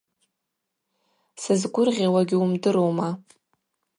Сызгвыргъьауа гьуымдырума?